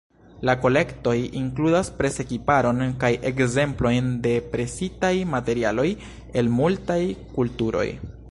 La kolektoj inkludas presekiparon kaj ekzemplojn de presitaj materialoj el multaj kulturoj.